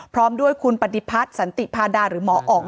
พร้อมด้วยคุณปฏิพัฒน์สันติพาดาหรือหมออ๋อง